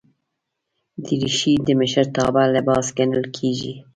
دریشي د مشرتابه لباس ګڼل کېږي.